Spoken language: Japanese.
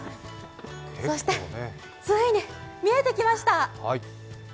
そして、ついに見えてきました。